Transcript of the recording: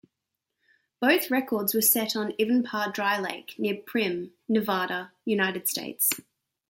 Both records were set on Ivanpah Dry Lake near Primm, Nevada, United States.